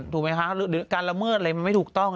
ถูกไหมคะหรือการละเมิดอะไรมันไม่ถูกต้อง